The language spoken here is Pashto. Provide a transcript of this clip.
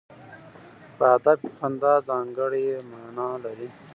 په ادب کې خندا ځانګړی معنا لري.